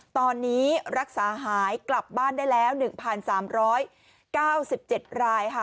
ตอนนี้รักษาหายกลับบ้านได้แล้ว๑๓๙๗รายค่ะ